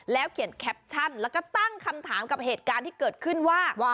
เขียนแคปชั่นแล้วก็ตั้งคำถามกับเหตุการณ์ที่เกิดขึ้นว่า